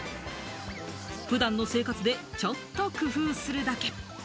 普段の生活でちょっと工夫するだけ。